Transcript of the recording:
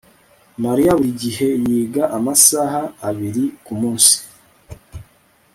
Mariya buri gihe yiga amasaha abiri kumunsi